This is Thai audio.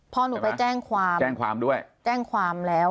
พ่อหนูไปแจ้งความแจ้งความด้วยแจ้งความแล้ว